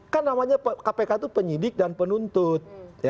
kan namanya kpk itu penyidik dan penuntut